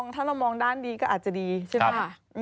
ถ้าเรามองด้านดีก็อาจจะดีใช่ไหม